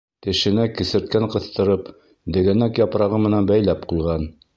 Тешенә кесерткән ҡыҫтырып, дегәнәк япрағы менән бәйләп ҡуйған.